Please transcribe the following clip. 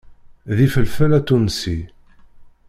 D ifelfel atunsi.